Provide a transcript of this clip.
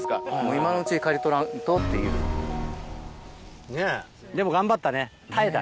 今のうちに刈り取らんとってねぇ、でも、頑張ったね。